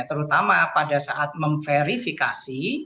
terutama pada saat memverifikasi